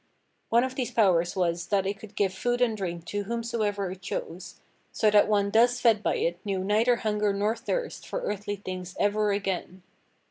One of these powers was that it could give food and drink to whomsoever it chose, so that one thus fed by it knew neither hunger nor thirst for earthly things ever again.